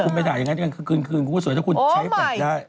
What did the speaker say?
คุณไปด่าอย่างนั้นกลางคืนคุณก็สวยถ้าคุณใช้ปากได้